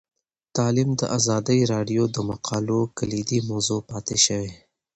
تعلیم د ازادي راډیو د مقالو کلیدي موضوع پاتې شوی.